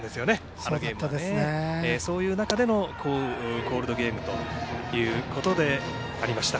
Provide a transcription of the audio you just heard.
あのゲームは、そういう中でのコールドゲームということでした。